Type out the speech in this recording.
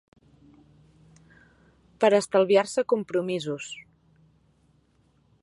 Per estalviar-se compromisos